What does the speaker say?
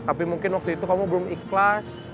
tapi mungkin waktu itu kamu belum ikhlas